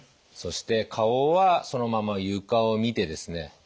そして顔はそのまま床を見てですね